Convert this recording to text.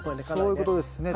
そういうことですね。